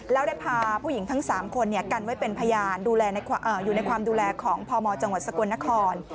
แล้วได้พาผู้หญิงทั้ง๓คนกันไว้เป็นพยานอยู่ในความดูแลของพมจังหวัดสกลนคร